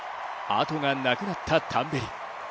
後がなくなったタンベリ。